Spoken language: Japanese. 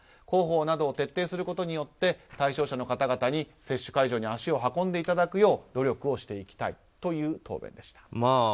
広報などを徹底することによって対象者の方々に接種会場に足を運んでいただくよう努力をしていきたいという答弁でした。